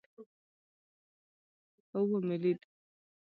هو ومې لېد.